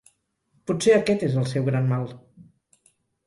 Potser aquest és el seu gran mal.